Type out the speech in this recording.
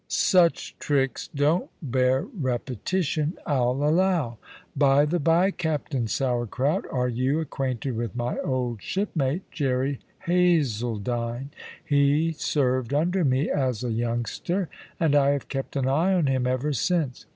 Such tricks don't bear repetition, I'll allow. By the bye, Captain Sourcrout, are you acquainted with my old shipmate, Jerry Hazledine? He served under me as a youngster, and I have kept an eye on him ever since.